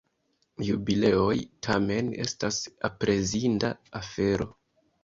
Jubileoj, tamen, estas aprezinda afero.